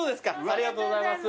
ありがとうございます。